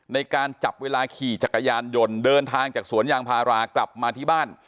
ในการจับเวลาขี่จักรยานยนต์เดินทางจากสวนยางพารากลับมาที่บ้าน